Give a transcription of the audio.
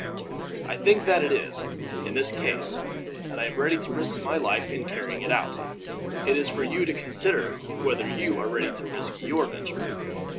I think that it is, in this case, and I am ready to risk my life in carrying it out. It is for you to consider whether you are ready to risk your venture."